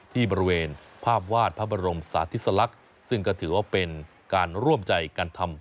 ที่บริเวณภาพวาดพระบรมสาธิสลักษณ์ซึ่งก็ถือว่าเป็นการร่วมใจกันทำ